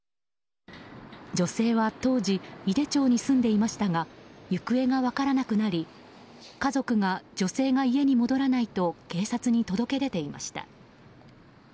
女性は当時井手町に住んでいましたが行方が分からなくなり家族が女性が家に戻らないと警察に届け出ていました。